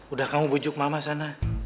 udah kamu bujuk mama sana